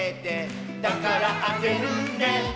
「だからあげるね」